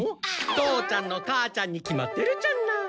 父ちゃんの母ちゃんに決まってるじゃない。